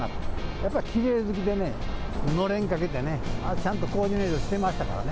やっぱりきれい好きでね、のれんかけてね、ちゃんとコーディネートしてましたからね。